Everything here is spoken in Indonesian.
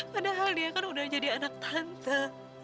padahal dia kan udah jadi anak tante